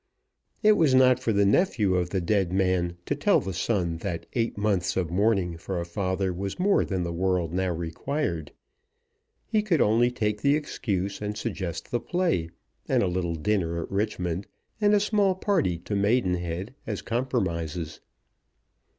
It was not for the nephew of the dead man to tell the son that eight months of mourning for a father was more than the world now required. He could only take the excuse, and suggest the play, and a little dinner at Richmond, and a small party to Maidenhead as compromises.